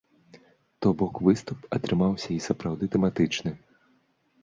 То бок выступ атрымаўся і сапраўды тэматычны.